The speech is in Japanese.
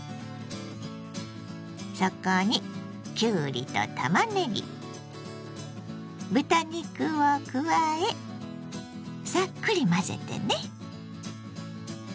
そこにきゅうりとたまねぎ豚肉を加えさっくり混ぜてね。